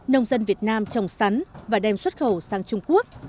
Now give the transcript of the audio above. nông dân việt nam trồng sắn và đem xuất khẩu sang trung quốc